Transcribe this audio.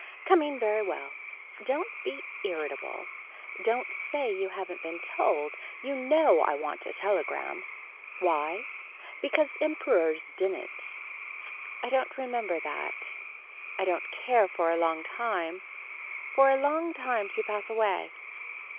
Coming very well. Don't be irritable. Don't say you haven't been told. You know I want a telegram. Why. Because emperors didn't. I don't remember that. I don't care for a long time. For a long time to pass away.